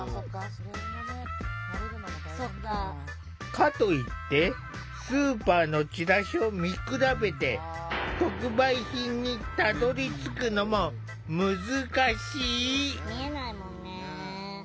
かといってスーパーのチラシを見比べて特売品にたどり着くのも難しい。